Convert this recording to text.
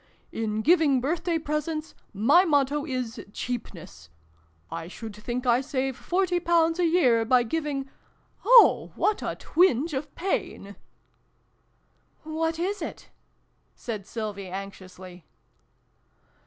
"In giving birthday presents, my motto is cheapness ! I should think I save forty pounds a year by giving oh, what a twinge of pain !"" What is it ?" said Sylvie anxiously.